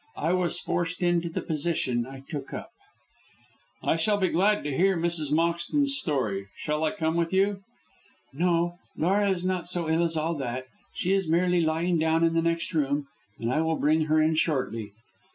I was forced into the position I took up." "I shall be glad to hear Mrs. Moxton's story. Shall I come with you?" "No, Laura is not so ill as all that; she is merely lying down in the next room and I will bring her in shortly."